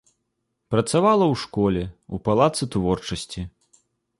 Працавала ў школе, у палацы творчасці.